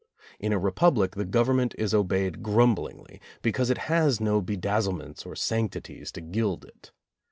In a Republic the Government is obeyed grumblingly, because it has no bedazzlements or sanctities to gild it.